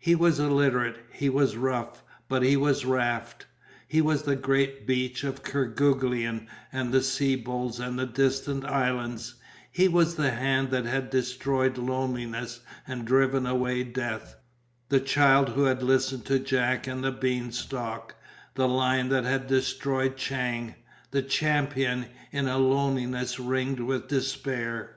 He was illiterate, he was rough, but he was Raft. He was the great beach of Kerguelen and the sea bulls and the distant islands, he was the hand that had destroyed Loneliness and driven away Death, the child who had listened to Jack and the Bean Stalk, the Lion that had destroyed Chang, the companion in a loneliness ringed with despair.